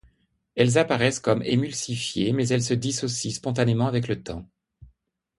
Elles apparaissent comme émulsifiées mais elle se dissocient spontanément avec le temps.